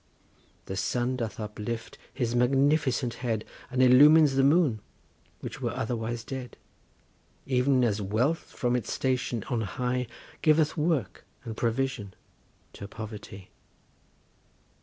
The sun doth uplift his magnificent head, And illumines the moon, which were otherwise dead, Even as Wealth from its station on high, Giveth work and provision to Poverty.